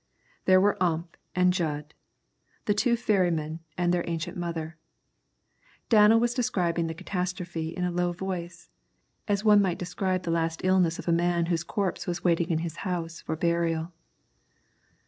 There were Ump and Jud, the two ferrymen, and their ancient mother. Danel was describing the catastrophe in a low voice, as one might describe the last illness of a man whose corpse was waiting in his house for burial.